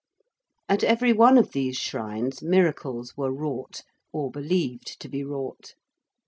At every one of these shrines miracles were wrought or believed to be wrought.